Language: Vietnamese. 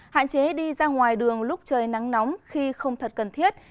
hạn chế đi ra ngoài đường lúc trời nắng nóng khi không thật cần thiết